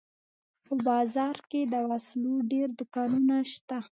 په بازار کښې د وسلو ډېر دوکانونه سته.